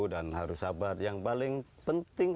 dan harus sabar yang paling penting